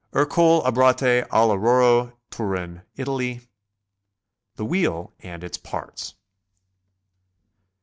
_ Ercole Abrate, All Auroro, Turin, Italy. THE WHEEL AND ITS PARTS.